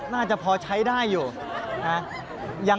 น่าจะพอใช้ได้อยู่นะ